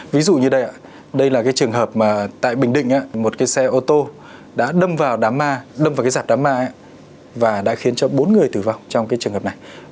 ví dụ như đây ạ đây là cái trường hợp mà tại bình định một cái xe ô tô đã đâm vào đám ma đâm vào cái giạt đám ma và đã khiến cho bốn người tử vong trong cái trường hợp này